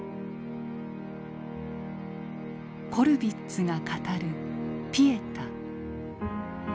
コルヴィッツが語る「ピエタ」。